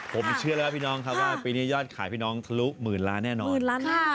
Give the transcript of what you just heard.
ผมเชื่อแล้วพี่น้องครับว่าปีนี้ยอดขายพี่น้องทะลุหมื่นล้านแน่นอน